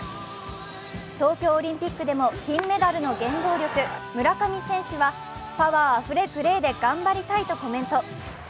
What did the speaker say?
東京オリンピックでも金メダルの原動力、村上選手はパワーあふれるプレーで頑張りたいとコメント。